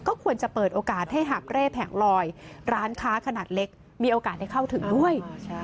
ควรจะเปิดโอกาสให้หาบเร่แผงลอยร้านค้าขนาดเล็กมีโอกาสได้เข้าถึงด้วย